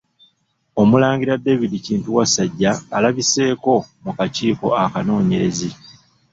Omulangira David Kintu Wasajja alabiseeko mu kakiiko akanoonyerezi.